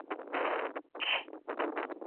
丘陵老鹳草为牻牛儿苗科老鹳草属的植物。